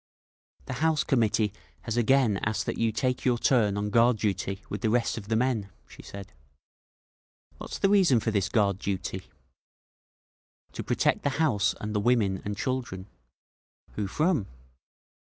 The House Committee has again asked that you take your turn on guard duty with the rest of the men," she said. "What's the reason for this guard duty?" "To protect the house and the women and children." "Who from?"